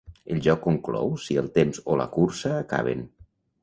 El joc conclou si el temps o la cursa acaben.